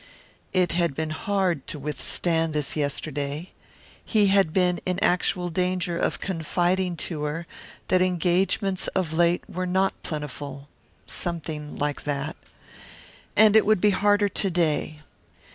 It had been hard to withstand this yesterday; he had been in actual danger of confiding to her that engagements of late were not plentiful something like that. And it would be harder to day.